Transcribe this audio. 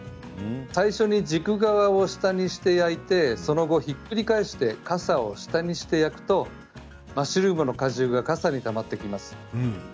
最初に軸側を下にして焼いてその後、ひっくり返して傘を下にして焼くとマッシュルームの果汁が傘にたまっていきます。